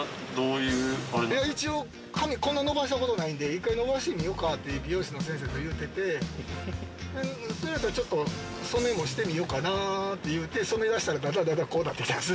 いや一応髪こんな伸ばしたことないんで１回伸ばしてみよかって美容室の先生と言っててそれやったらちょっと染めもしてみようかなって言うて染め出したらだんだんだんだんこうなってきたんです。